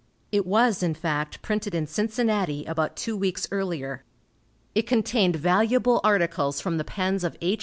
It was in fact printed in Cincinnati about two weeks earlier. It contained valuable articles from the pens of H.